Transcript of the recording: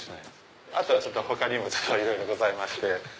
あとは他にもいろいろございまして。